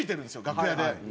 楽屋で。